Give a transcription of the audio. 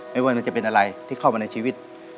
ไม่ว่ามันจะเป็นอะไรที่เข้ามาในชีวิต